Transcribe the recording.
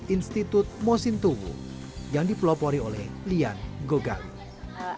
institut mosintowo yang dipelopori oleh lian gogali